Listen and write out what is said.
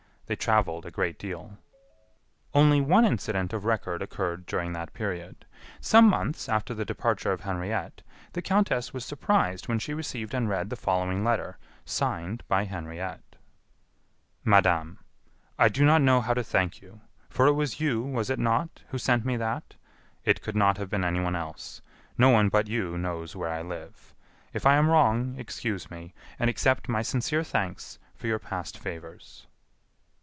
They traveled a great deal. Only one incident of record occurred during that period. Some months after the departure of Henriette, the countess was surprised when she received and read the following letter, signed by Henriette: "Madame," "I do not know how to thank you; for it was you, was it not, who sent me that? It could not have been anyone else. No one but you knows where I live. If I am wrong, excuse me, and accept my sincere thanks for your past favors...."